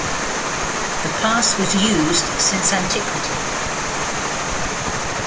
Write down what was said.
The pass was used since antiquity.